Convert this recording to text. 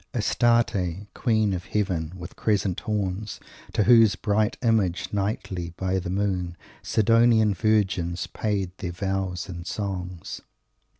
"Astarte, queen of Heaven, with crescent horns, To whose bright Image nightly, by the moon, Sidonian virgins paid their vows and songs."